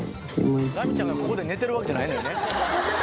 ラミちゃんがここで寝てるわけじゃないのよね。